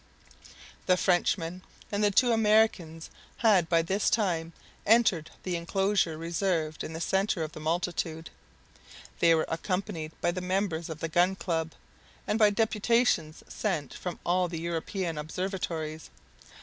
The Frenchman and the two Americans had by this time entered the enclosure reserved in the center of the multitude. They were accompanied by the members of the Gun Club, and by deputations sent from all the European Observatories.